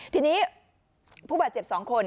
ทีนี้ผู้บาดเจ็บ๒คน